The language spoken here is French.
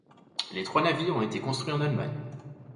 Les trois navires ont été construits en Allemagne.